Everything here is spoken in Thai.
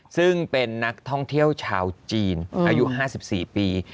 ซึ่งเป็นนักท่องเที่ยวชาวจีนอายุ๕๔ปี